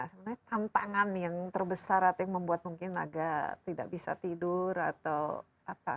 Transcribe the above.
sebenarnya tantangan yang terbesar atau yang membuat mungkin agak tidak bisa tidur atau apa